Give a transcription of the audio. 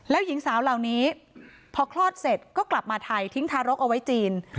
แล้วหญิงสาวเหล่านี้พอคลอดเสร็จก็กลับมาไทยทิ้งทารกเอาไว้จีน